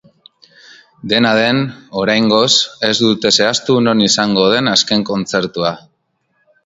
Dena den, oraingoz, ez dute zehaztu non izango den azken kontzertua.